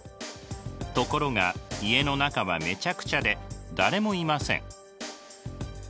ところが家の中はめちゃくちゃで誰もいません。